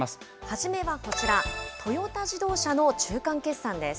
初めはこちら、トヨタ自動車の中間決算です。